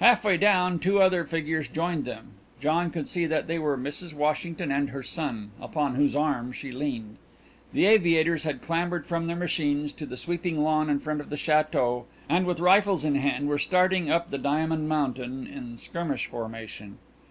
Half way down two other figures joined them John could see that they were Mrs. Washington and her son, upon whose arm she leaned. The aviators had clambered from their machines to the sweeping lawn in front of the château, and with rifles in hand were starting up the diamond mountain in skirmishing formation.